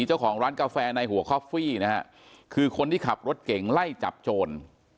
เจ้าของร้านกาแฟในหัวคอฟฟี่นะฮะคือคนที่ขับรถเก่งไล่จับโจร